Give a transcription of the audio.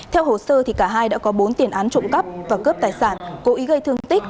theo hồ sơ cả hai đã có bốn tiền án trộm cắp và cướp tài sản cố ý gây thương tích